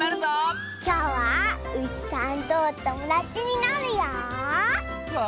きょうはうしさんとおともだちになるよ！